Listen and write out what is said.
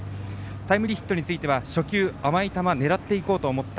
タイムリーヒットについては初球甘い球を狙っていこうと思った。